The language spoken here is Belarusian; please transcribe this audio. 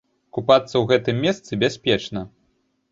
Купацца ў гэтым месцы бяспечна.